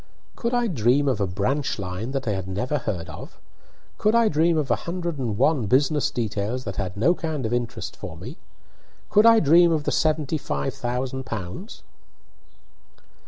"Could I dream of a branch line that I had never heard of? Could I dream of a hundred and one business details that had no kind of interest for me? Could I dream of the seventy five thousand pounds?"